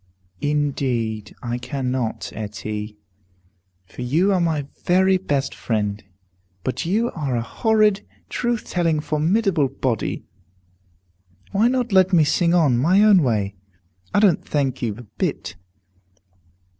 "Indeed I cannot, Etty, for you are my very best friend. But you are a horrid, truth telling, formidable body. Why not let me sing on, my own way? I don't thank you a bit.